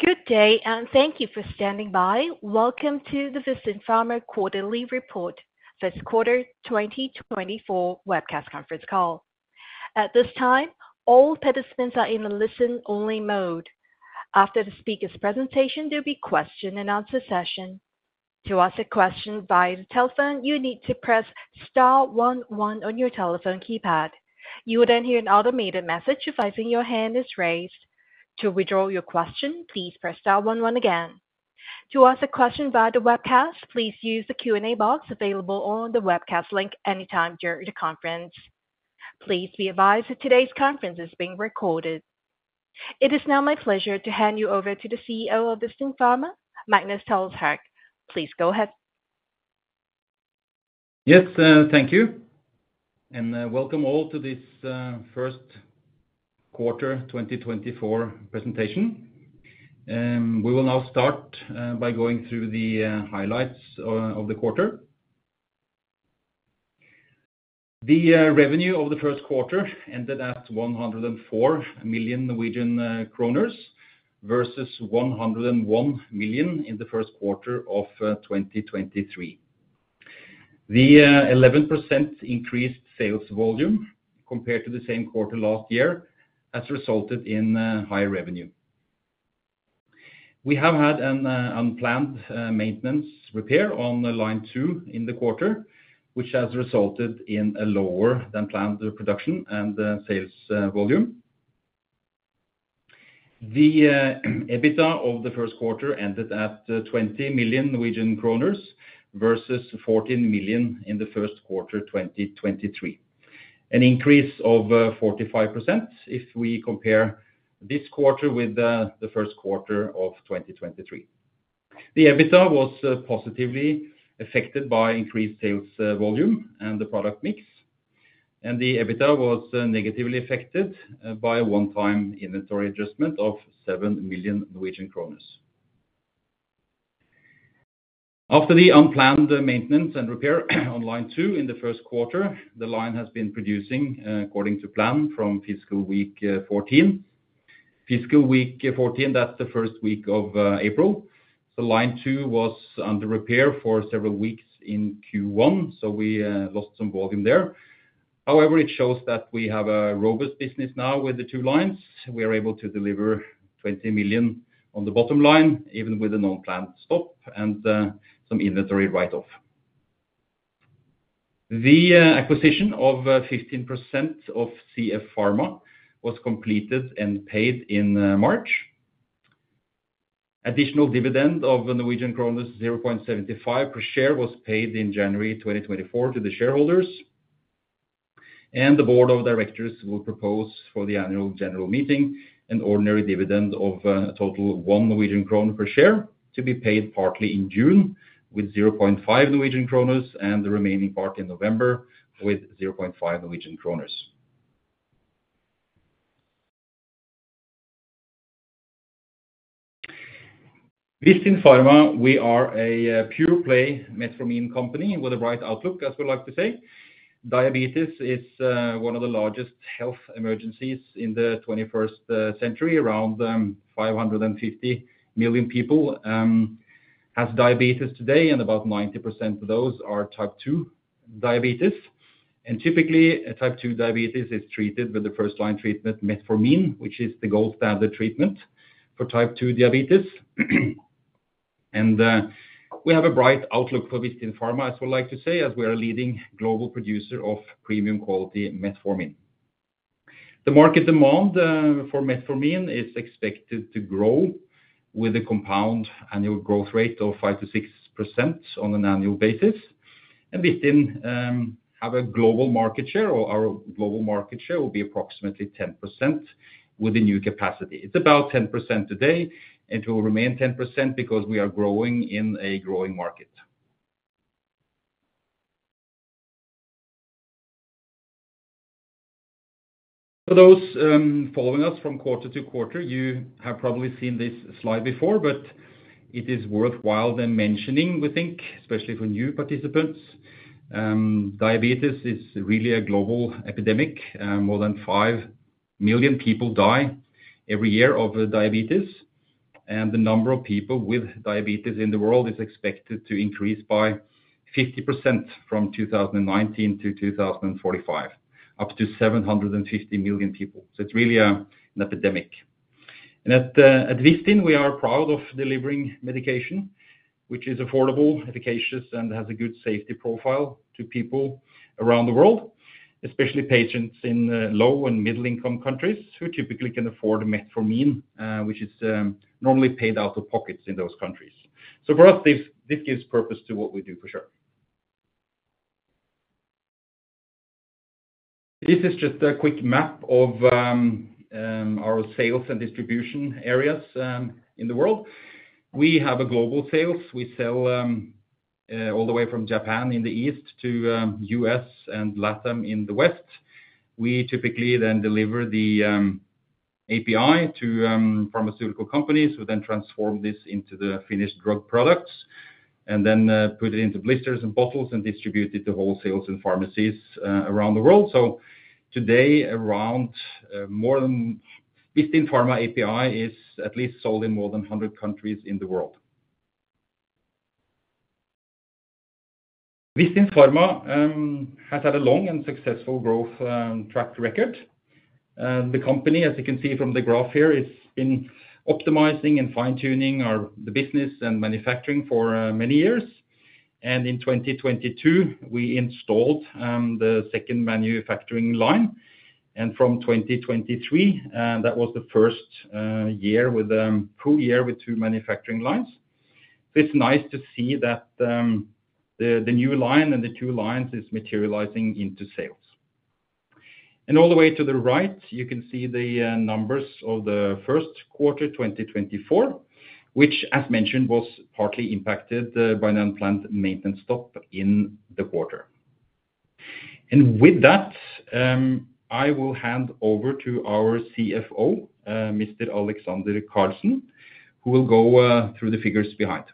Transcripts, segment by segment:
Good day, and thank you for standing by. Welcome to the Vistin Pharma quarterly report, first quarter 2024 webcast conference call. At this time, all participants are in the listen-only mode. After the speaker's presentation, there'll be a question-and-answer session. To ask a question via the telephone, you need to press star one one on your telephone keypad. You will then hear an automated message if raising your hand is raised. To withdraw your question, please press star one one again. To ask a question via the webcast, please use the Q&A box available on the webcast link anytime during the conference. Please be advised that today's conference is being recorded. It is now my pleasure to hand you over to the CEO of Vistin Pharma, Magnus Tolleshaug. Please go ahead. Yes, thank you. Welcome all to this first quarter 2024 presentation. We will now start by going through the highlights of the quarter. The revenue of the first quarter ended at 104 million Norwegian kroner versus 101 million in the first quarter of 2023. The 11% increased sales volume compared to the same quarter last year has resulted in higher revenue. We have had an unplanned maintenance repair on Line 2 in the quarter, which has resulted in a lower-than-planned production and sales volume. The EBITDA of the first quarter ended at 20 million Norwegian kroner versus 14 million in the first quarter 2023, an increase of 45% if we compare this quarter with the first quarter of 2023. The EBITDA was positively affected by increased sales volume and the product mix, and the EBITDA was negatively affected by a one-time inventory adjustment of 7 million Norwegian kroner. After the unplanned maintenance and repair on Line 2 in the first quarter, the line has been producing according to plan from fiscal week 14. Fiscal week 14, that's the first week of April. So, Line 2 was under repair for several weeks in Q1, so we lost some volume there. However, it shows that we have a robust business now with the two lines. We are able to deliver 20 million on the bottom line, even with an unplanned stop and some inventory write-off. The acquisition of 15% of CF Pharma was completed and paid in March. Additional dividend of 0.75 per share was paid in January 2024 to the shareholders. The board of directors will propose for the annual general meeting an ordinary dividend of a total of 1 Norwegian kroner per share to be paid partly in June with 0.5 Norwegian kroner and the remaining part in November with 0.5 Norwegian kroner. Vistin Pharma, we are a pure-play metformin company with a bright outlook, as we like to say. Diabetes is one of the largest health emergencies in the 21st century. Around 550 million people have diabetes today, and about 90% of those are type 2 diabetes. Typically, type 2 diabetes is treated with the first-line treatment, metformin, which is the gold standard treatment for type 2 diabetes. We have a bright outlook for Vistin Pharma, as we like to say, as we are a leading global producer of premium-quality metformin. The market demand for metformin is expected to grow with a compound annual growth rate of 5%-6% on an annual basis. And Vistin has a global market share, or our global market share will be approximately 10% with the new capacity. It's about 10% today, and it will remain 10% because we are growing in a growing market. For those following us from quarter-to-quarter, you have probably seen this slide before, but it is worthwhile then mentioning, we think, especially for new participants. Diabetes is really a global epidemic. More than 5 million people die every year of diabetes, and the number of people with diabetes in the world is expected to increase by 50% from 2019-2045, up to 750 million people. So it's really an epidemic. At Vistin, we are proud of delivering medication which is affordable, efficacious, and has a good safety profile to people around the world, especially patients in low and middle-income countries who typically can afford metformin, which is normally paid out of pockets in those countries. For us, this gives purpose to what we do, for sure. This is just a quick map of our sales and distribution areas in the world. We have global sales. We sell all the way from Japan in the east to the U.S. and LatAm in the west. We typically then deliver the API to pharmaceutical companies who then transform this into the finished drug products and then put it into blisters and bottles and distribute it to wholesalers and pharmacies around the world. Today, more than Vistin Pharma API is at least sold in more than 100 countries in the world. Vistin Pharma has had a long and successful growth track record. The company, as you can see from the graph here, has been optimizing and fine-tuning the business and manufacturing for many years. In 2022, we installed the second manufacturing line. From 2023, that was the first full year with two manufacturing lines. It's nice to see that the new line and the two lines are materializing into sales. All the way to the right, you can see the numbers of the first quarter, 2024, which, as mentioned, was partly impacted by an unplanned maintenance stop in the quarter. With that, I will hand over to our CFO, Mr. Alexander Karlsen, who will go through the figures behind.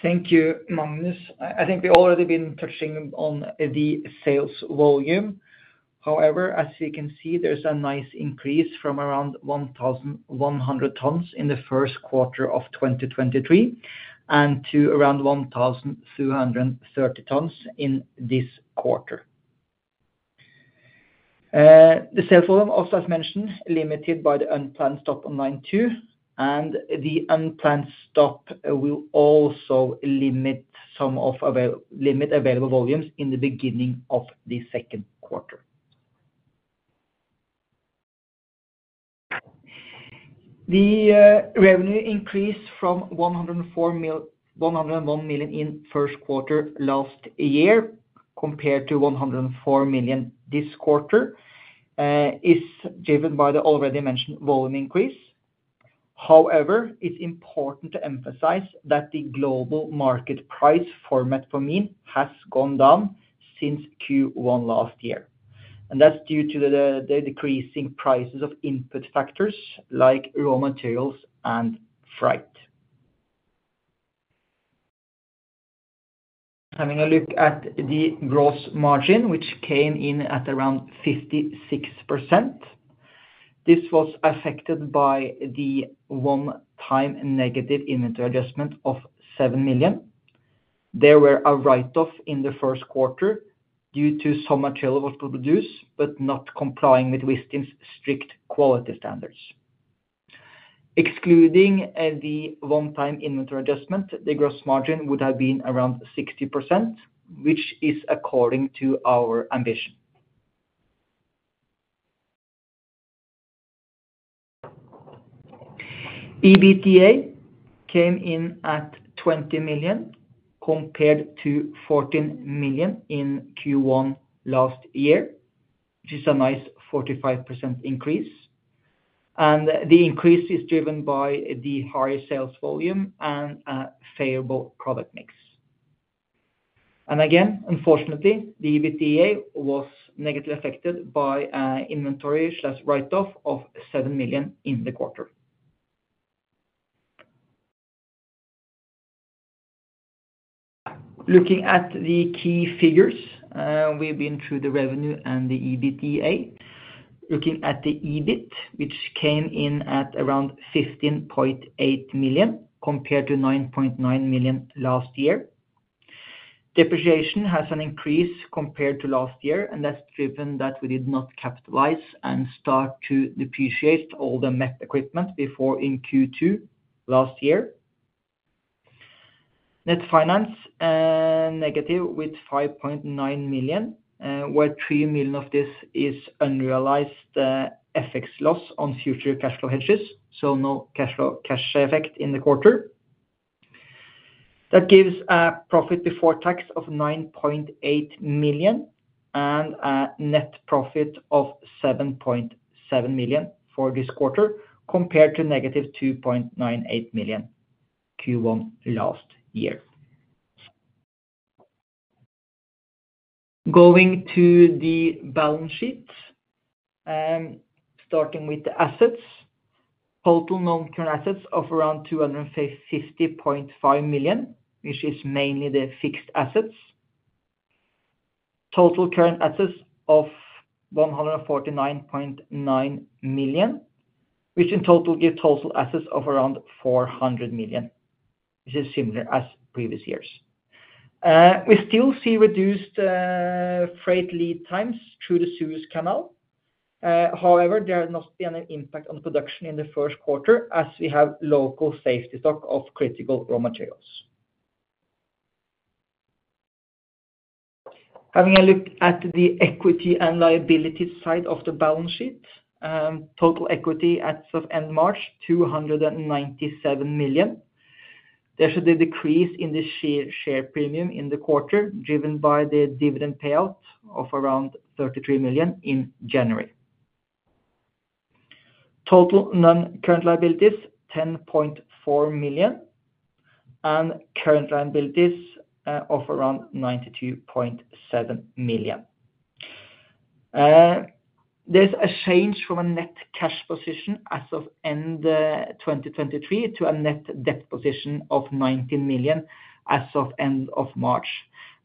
Thank you, Magnus. I think we've already been touching on the sales volume. However, as you can see, there's a nice increase from around 1,100 tons in the first quarter of 2023 and to around 1,330 tons in this quarter. The sales volume also, as mentioned, is limited by the unplanned stop on Line 2, and the unplanned stop will also limit available volumes in the beginning of the second quarter. The revenue increase from 104 million in the first quarter last year compared to 104 million this quarter is driven by the already mentioned volume increase. However, it's important to emphasize that the global market price for metformin has gone down since Q1 last year, and that's due to the decreasing prices of input factors like raw materials and freight. Having a look at the gross margin, which came in at around 56%, this was affected by the one-time negative inventory adjustment of 7 million. There were write-offs in the first quarter due to some material that was produced but not complying with Vistin's strict quality standards. Excluding the one-time inventory adjustment, the gross margin would have been around 60%, which is according to our ambition. EBITDA came in at 20 million compared to 14 million in Q1 last year, which is a nice 45% increase. And the increase is driven by the higher sales volume and a favorable product mix. And again, unfortunately, the EBITDA was negatively affected by inventory write-off of 7 million in the quarter. Looking at the key figures, we've been through the revenue and the EBITDA. Looking at the EBIT, which came in at around 15.8 million compared to 9.9 million last year. Depreciation has an increase compared to last year, and that's driven by the fact that we did not capitalize and start to depreciate all the MEP equipment before in Q2 last year. Net finance is negative with 5.9 million, where 3 million of this is unrealized FX loss on future cash flow hedges, so no cash effect in the quarter. That gives a profit before tax of 9.8 million and a net profit of 7.7 million for this quarter compared to -2.98 million Q1 last year. Going to the balance sheet, starting with the assets, total non-current assets of around 250.5 million, which is mainly the fixed assets. Total current assets of 149.9 million, which in total gives total assets of around 400 million, which is similar to previous years. We still see reduced freight lead times through the Suez Canal. However, there has not been an impact on production in the first quarter as we have local safety stock of critical raw materials. Having a look at the equity and liability side of the balance sheet, total equity as of end March, 297 million. There's a decrease in the share premium in the quarter driven by the dividend payout of around 33 million in January. Total non-current liabilities, 10.4 million, and current liabilities of around 92.7 million. There's a change from a net cash position as of end 2023 to a net debt position of 19 million as of end of March.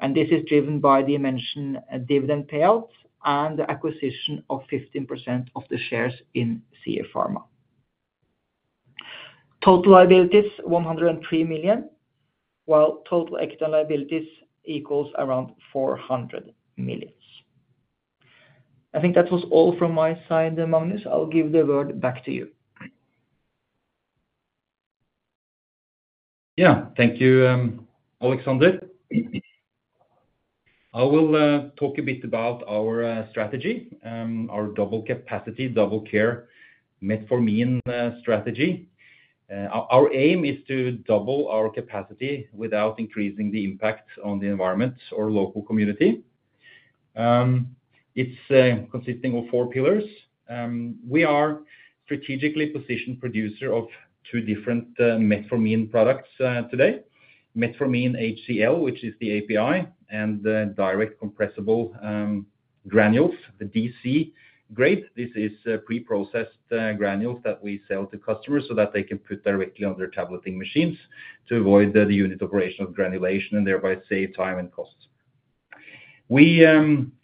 And this is driven by the mentioned dividend payout and the acquisition of 15% of the shares in CF Pharma. Total liabilities, 103 million, while total equity and liabilities equals around 400 million. I think that was all from my side, Magnus. I'll give the word back to you. Yeah. Thank you, Alexander. I will talk a bit about our strategy, our double capacity, double-care metformin strategy. Our aim is to double our capacity without increasing the impact on the environment or local community. It's consisting of four pillars. We are a strategically positioned producer of two different metformin products today: metformin HCl, which is the API, and direct compressible granules, the DC grade. This is pre-processed granules that we sell to customers so that they can put directly on their tableting machines to avoid the unit operation of granulation and thereby save time and costs. We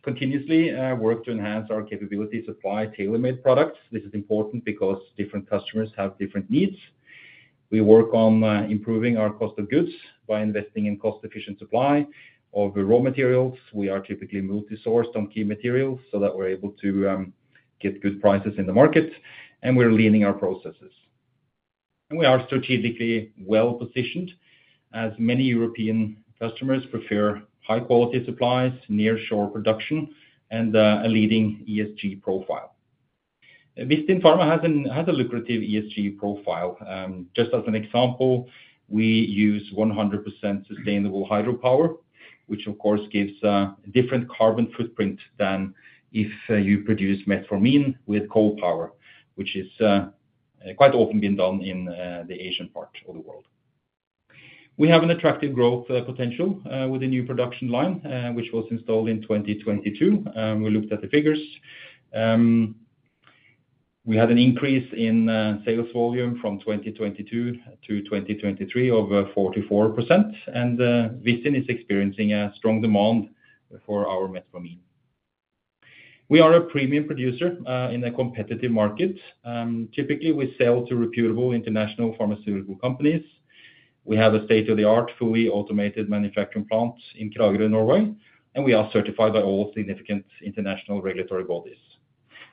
continuously work to enhance our capability to supply tailor-made products. This is important because different customers have different needs. We work on improving our cost of goods by investing in cost-efficient supply of raw materials. We are typically multi-sourced on key materials so that we're able to get good prices in the market, and we're leaning our processes. We are strategically well-positioned as many European customers prefer high-quality supplies, nearshore production, and a leading ESG profile. Vistin Pharma has a lucrative ESG profile. Just as an example, we use 100% sustainable hydropower, which, of course, gives a different carbon footprint than if you produce metformin with coal power, which has quite often been done in the Asian part of the world. We have an attractive growth potential with a new production line, which was installed in 2022. We looked at the figures. We had an increase in sales volume from 2022-2023 of 44%, and Vistin is experiencing strong demand for our metformin. We are a premium producer in a competitive market. Typically, we sell to reputable international pharmaceutical companies. We have a state-of-the-art fully automated manufacturing plant in Kragerø, Norway, and we are certified by all significant international regulatory bodies.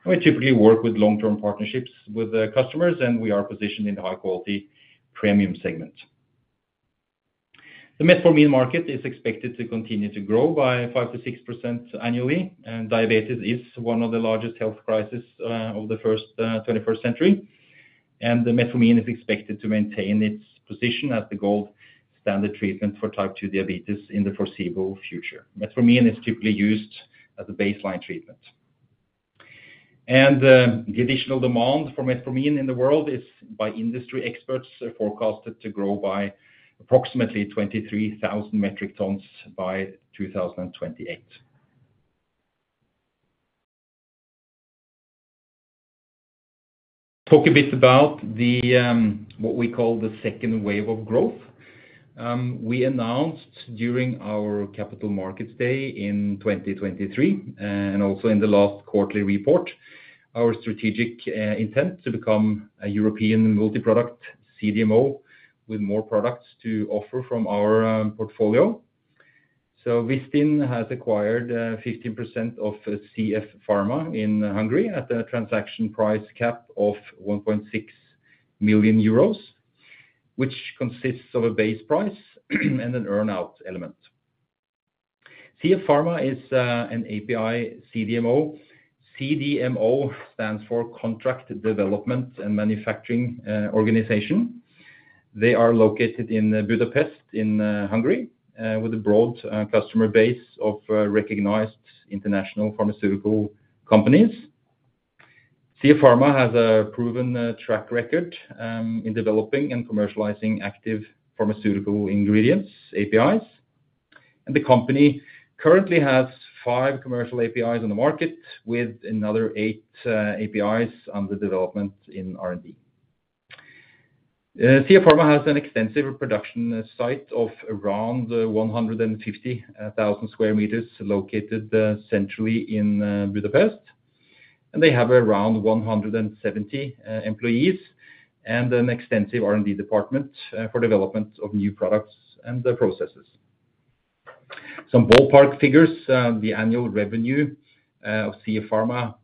We typically work with long-term partnerships with customers, and we are positioned in the high-quality premium segment. The metformin market is expected to continue to grow by 5%-6% annually. Diabetes is one of the largest health crises of the first 21st century, and the metformin is expected to maintain its position as the gold standard treatment for type 2 diabetes in the foreseeable future. Metformin is typically used as a baseline treatment. The additional demand for metformin in the world is by industry experts forecasted to grow by approximately 23,000 metric tons by 2028. Talk a bit about what we call the second wave of growth. We announced during our Capital Markets Day in 2023 and also in the last quarterly report our strategic intent to become a European multi-product CDMO with more products to offer from our portfolio. Vistin has acquired 15% of CF Pharma in Hungary at a transaction price cap of 1.6 million euros, which consists of a base price and an earn-out element. CF Pharma is an API CDMO. CDMO stands for Contract Development and Manufacturing Organization. They are located in Budapest in Hungary with a broad customer base of recognized international pharmaceutical companies. CF Pharma has a proven track record in developing and commercializing active pharmaceutical ingredients, APIs. The company currently has five commercial APIs on the market with another eight APIs under development in R&D. CF Pharma has an extensive production site of around 150,000 square meters located centrally in Budapest. They have around 170 employees and an extensive R&D department for development of new products and processes. Some ballpark figures, the annual revenue of CF Pharma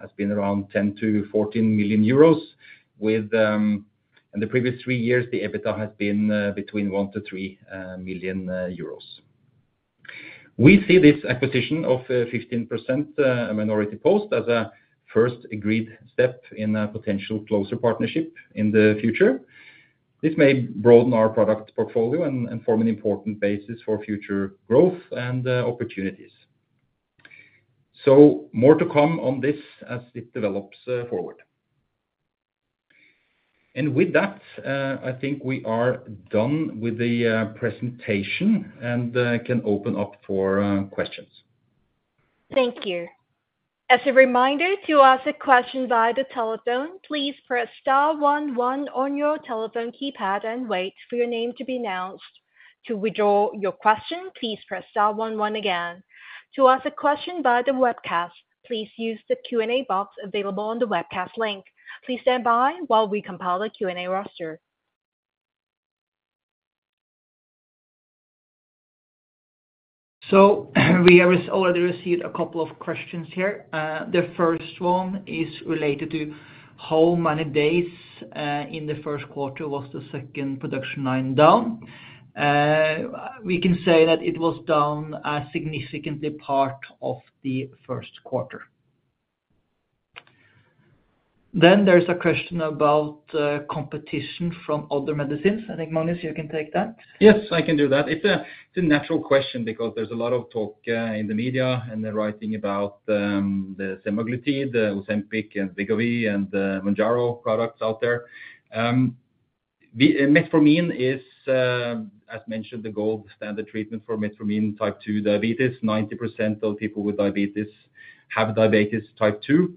has been around 10 million-14 million euros. The previous three years, the EBITDA has been between 1 million-3 million euros. We see this acquisition of 15% minority stake as a first agreed step in a potential closer partnership in the future. This may broaden our product portfolio and form an important basis for future growth and opportunities. More to come on this as it develops forward. With that, I think we are done with the presentation and can open up for questions. Thank you. As a reminder, to ask a question via the telephone, please press star one one on your telephone keypad and wait for your name to be announced. To withdraw your question, please press star one one again. To ask a question via the webcast, please use the Q&A box available on the webcast link. Please stand by while we compile the Q&A roster. So we have already received a couple of questions here. The first one is related to how many days in the first quarter was the second production line down. We can say that it was down a significantly part of the first quarter. Then there's a question about competition from other medicines. I think, Magnus, you can take that. Yes, I can do that. It's a natural question because there's a lot of talk in the media and the writing about the semaglutide, Ozempic, and Wegovy, and Mounjaro products out there. Metformin is, as mentioned, the gold standard treatment for metformin type 2 diabetes. 90% of people with diabetes have diabetes type 2.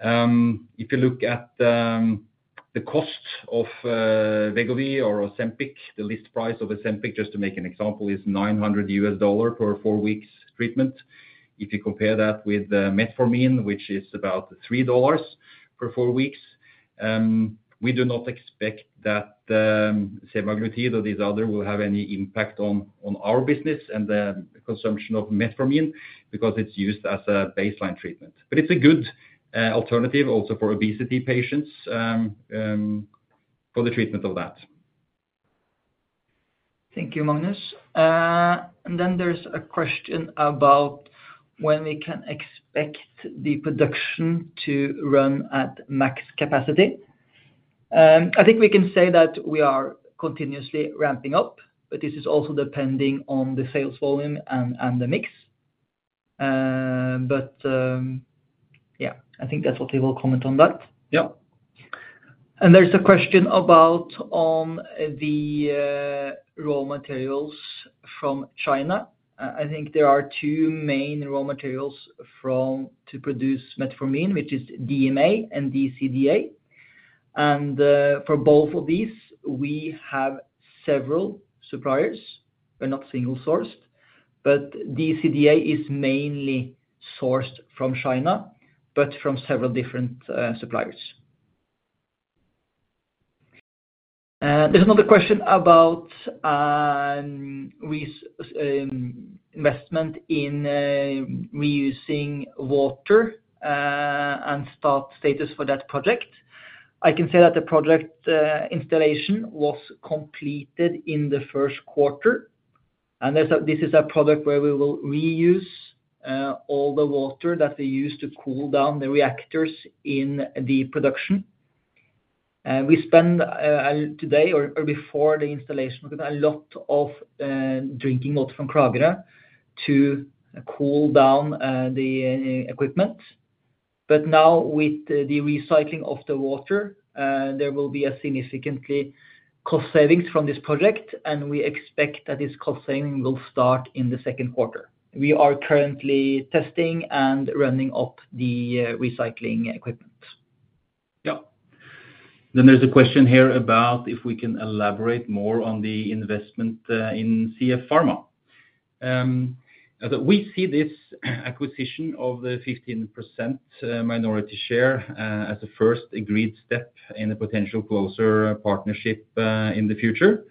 If you look at the cost of Wegovy or Ozempic, the list price of Ozempic, just to make an example, is $900 per 4 weeks treatment. If you compare that with metformin, which is about $3 per 4 weeks, we do not expect that semaglutide or these others will have any impact on our business and the consumption of metformin because it's used as a baseline treatment. But it's a good alternative also for obesity patients for the treatment of that. Thank you, Magnus. And then there's a question about when we can expect the production to run at max capacity. I think we can say that we are continuously ramping up, but this is also depending on the sales volume and the mix. But yeah, I think that's what we will comment on that. Yeah. There's a question about the raw materials from China. I think there are two main raw materials to produce metformin, which is DMA and DCDA. For both of these, we have several suppliers. We're not single-sourced, but DCDA is mainly sourced from China, but from several different suppliers. There's another question about investment in reusing water and start status for that project. I can say that the project installation was completed in the first quarter. This is a product where we will reuse all the water that we use to cool down the reactors in the production. We spend today or before the installation a lot of drinking water from Kragerø to cool down the equipment. But now, with the recycling of the water, there will be significantly cost savings from this project, and we expect that this cost saving will start in the second quarter. We are currently testing and running up the recycling equipment. Yeah. Then there's a question here about if we can elaborate more on the investment in CF Pharma. We see this acquisition of the 15% minority share as a first agreed step in a potential closer partnership in the future.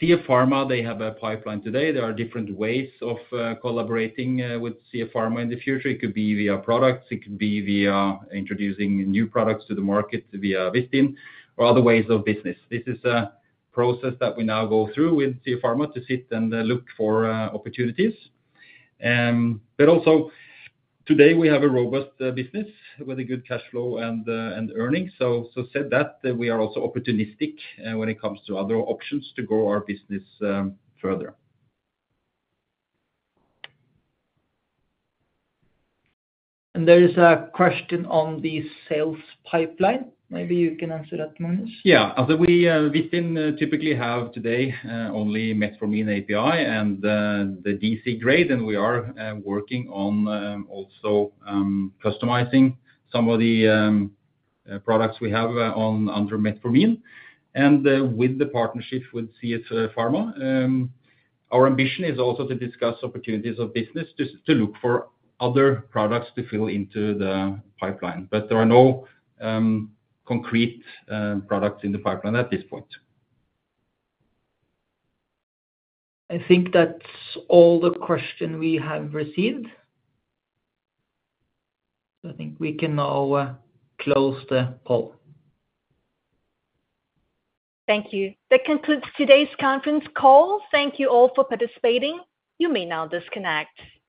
CF Pharma, they have a pipeline today. There are different ways of collaborating with CF Pharma in the future. It could be via products. It could be via introducing new products to the market via Vistin or other ways of business. This is a process that we now go through with CF Pharma to sit and look for opportunities. But also, today, we have a robust business with a good cash flow and earnings. So, that said, we are also opportunistic when it comes to other options to grow our business further. There is a question on the sales pipeline. Maybe you can answer that, Magnus. Yeah. So Vistin typically have today only metformin API and the DC grade, and we are working on also customizing some of the products we have under metformin. And with the partnership with CF Pharma, our ambition is also to discuss opportunities of business to look for other products to fill into the pipeline. But there are no concrete products in the pipeline at this point. I think that's all the questions we have received. I think we can now close the poll. Thank you. That concludes today's conference call. Thank you all for participating. You may now disconnect.